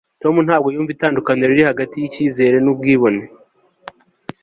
tom ntabwo yumva itandukaniro riri hagati yicyizere nubwibone